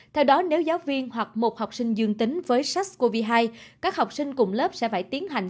theo đó nếu giáo viên hoặc một học sinh dương tính với sars cov hai các học sinh cùng lớp sẽ phải tiến hành